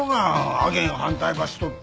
あげん反対ばしとって。